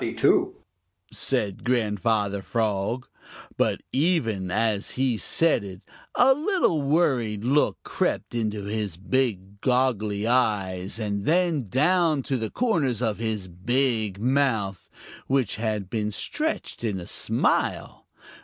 "Chugarum! I'm happy, too," said Grandfather Frog. But even as he said it, a little worried look crept into his big goggly eyes and then down to the corners of his big mouth, which had been stretched in a smile.